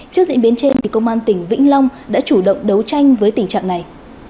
trước diễn biến trên công an tỉnh vĩnh long đã chủ động đấu tranh với tình trạng này